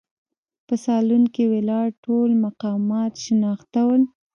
په سالون کې ولاړ ټول مقامات شناخته ول.